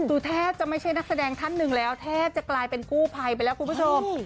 ดูแทบจะไม่ใช่นักแสดงท่านหนึ่งแล้วแทบจะกลายเป็นกู้ภัยไปแล้วคุณผู้ชม